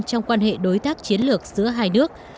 trong quan hệ đối tác chiến lược giữa hai nước